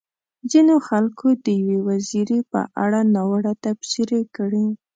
ځينو خلکو د يوې وزيرې په اړه ناوړه تبصرې کړې.